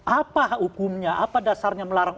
apa hukumnya apa dasarnya melarang